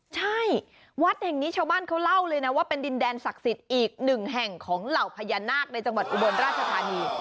ใช่วัดแห่งนี้ชาวบ้านเขาเล่าเลยนะว่าเป็นดินแดนศักดิ์สิทธิ์อีกหนึ่งแห่งของเหล่าพญานาคในจังหวัดอุบลราชธานี